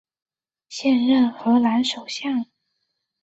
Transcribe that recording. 现任荷兰首相。